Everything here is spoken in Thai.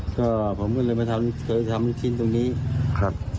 ก็ผมก็เลยมาทำเคยทำชิ้นตรงนี้ครับ